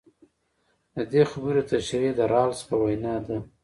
د دې خبرې تشرېح د رالز په وینا ده.